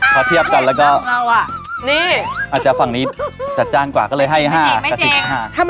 เขาเทียบกันแล้วก็นี่อาจจะฝั่งนี้จัดจ้านกว่าก็เลยให้๕๑๕ตากันนิดหน่อยครับ